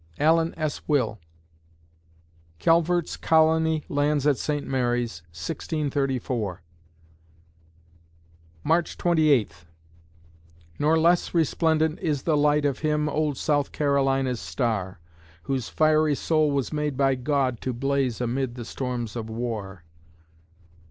ALLEN S. WILL Calvert's Colony lands at St. Mary's, 1634 March Twenty Eighth Nor less resplendent is the light Of him, old South Carolina's star, Whose fiery soul was made by God To blaze amid the storms of war....